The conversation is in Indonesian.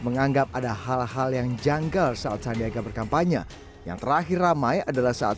menganggap ada hal hal yang janggal saat sandiaga berkampanye yang terakhir ramai adalah saat